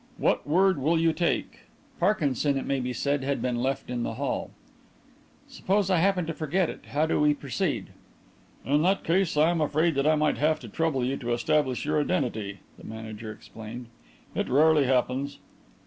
"What word will you take?" Parkinson, it may be said, had been left in the hall. "Suppose I happen to forget it? How do we proceed?" "In that case I am afraid that I might have to trouble you to establish your identity," the manager explained. "It rarely happens."